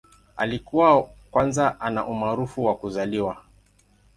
Alikuwa kwanza ana umaarufu wa kuzaliwa.